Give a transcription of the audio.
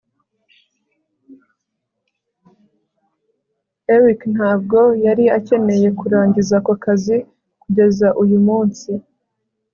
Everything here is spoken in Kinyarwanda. eric ntabwo yari akeneye kurangiza ako kazi kugeza uyu munsi